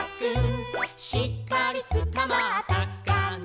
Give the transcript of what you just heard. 「しっかりつかまったかな」